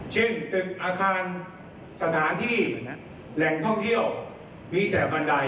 เช่นตึกอาคารสถานที่แหล่งท่องเที่ยวมีแต่บันได